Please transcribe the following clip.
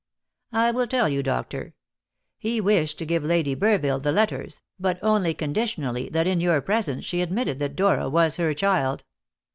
"I will tell you, doctor. He wished to give Lady Burville the letters, but only conditionally that in your presence she admitted that Dora was her child."